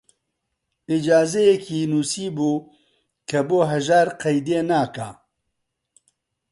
ئیجازەیەکی نووسیبوو کە بۆ هەژار قەیدێ ناکا